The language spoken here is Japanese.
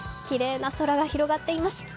きれいな空が広がっています。